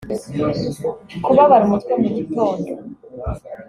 kubabara umutwe mu gitondo